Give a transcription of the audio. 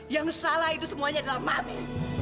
yang salah itu semuanya adalah mami